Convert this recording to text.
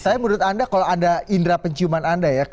saya menurut anda kalau ada indera penciuman anda ya